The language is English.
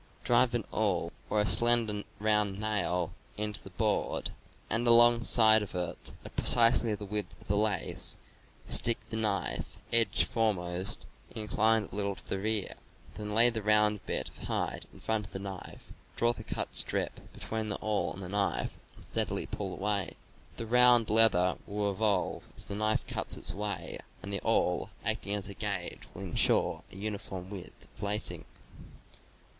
Drive an awl or a slender round nail into a board and alongside of it; at precisely the width of the lace, stick the knife, edge foremost, and inclining a little to the rear; then lay the round bit of hide in front of the knife, draw the cut strip between the awl and the knife and steadily pull away ; the round leather will revolve as the knife cuts its way, and the awl, act ing as a gauge, will insure a uniform width of lacing.